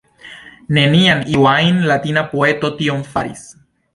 Neniam iu ajn Latina poeto tion faris!